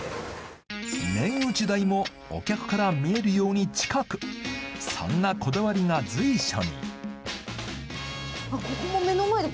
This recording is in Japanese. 麺打ち台もお客から見えるように近くそんなこだわりが随所にあっここも目の前で。